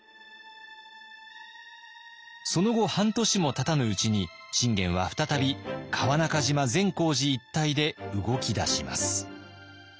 その後半年もたたぬうちに信玄は再び川中島善光寺一帯で動き出します。